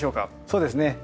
そうですね